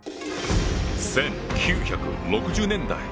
１９６０年代